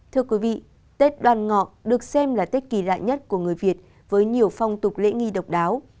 thưa quý vị tết đoàn ngọ được xem là tết kỳ lạ nhất của người việt với nhiều phong tục lễ nghi độc đáo